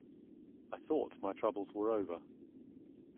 I thought my troubles were over.